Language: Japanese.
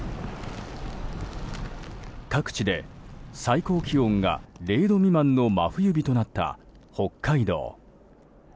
各地で最高気温が、０度未満の真冬日となった北海道。